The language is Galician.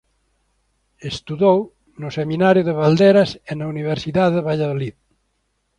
Estudou no Seminario de Valderas e na Universidade de Valladolid.